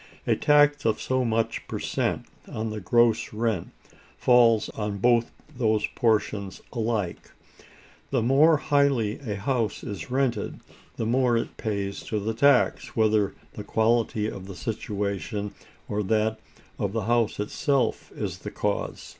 A tax of so much per cent on the gross rent falls on both those portions alike. The more highly a house is rented, the more it pays to the tax, whether the quality of the situation or that of the house itself is the cause.